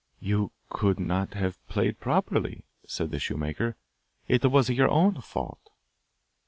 'You could not have played properly,' said the shoemaker. 'It was your own fault.